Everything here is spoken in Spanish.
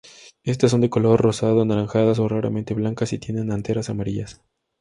Estas son de color rosado, anaranjadas, o raramente blancas y tienen anteras amarillas.